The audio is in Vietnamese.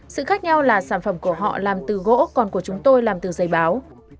sự khác nhau là sản phẩm của họ làm từ gỗ còn của chúng tôi làm từ giấy báo